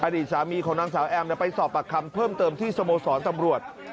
อดีตสามีของนางสาวแอมไปสอบปากคำเพิ่มเติมที่สโมสรตำรวจ